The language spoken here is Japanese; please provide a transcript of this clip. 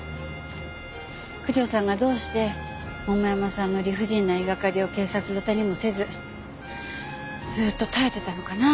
九条さんがどうして桃山さんの理不尽な言いがかりを警察沙汰にもせずずっと耐えていたのかな？